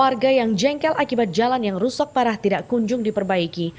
warga yang jengkel akibat jalan yang rusak parah tidak kunjung diperbaiki